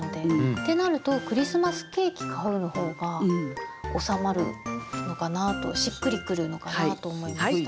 ってなると「クリスマスケーキ買ふ」の方が収まるのかなとしっくりくるのかなと思いました。